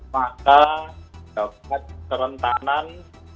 maka dapat kerentanan